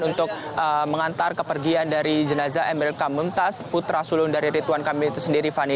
untuk mengantar kepergian dari jenazah emil kamuntas putra sulung dari rituan kamil itu sendiri fani